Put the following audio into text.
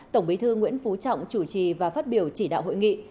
tổng bí thư nguyễn phú trọng chủ trì và phát biểu chỉ đạo hội nghị